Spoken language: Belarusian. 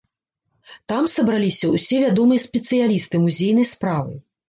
Там сабраліся ўсе вядомыя спецыялісты музейнай справы.